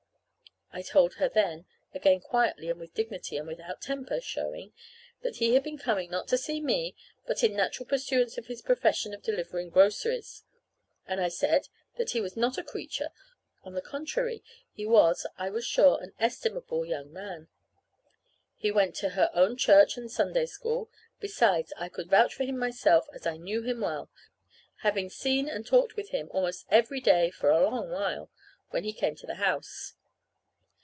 I told her then again quietly and with dignity, and without temper (showing) that he had been coming, not to see me, but in the natural pursuance of his profession of delivering groceries. And I said that he was not a creature. On the contrary, he was, I was sure, an estimable young man. He went to her own church and Sunday School. Besides, I could vouch for him myself, as I knew him well, having seen and talked with him almost every day for a long while, when he came to the house.